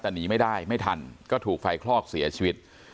แต่หนีไม่ได้ไม่ทันก็ถูกไฟคลอกเสียชีวิต